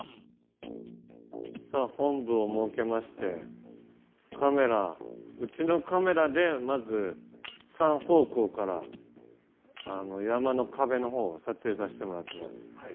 さあ本部を設けましてうちのカメラでまず３方向から山の壁の方を撮影させてもらってます。